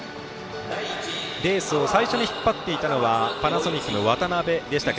レースを最初に引っ張っていたのはパナソニックの渡邊でしたが。